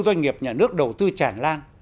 doanh nghiệp nhà nước đầu tư chản lan